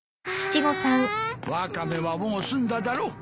ワカメはもう済んだだろう。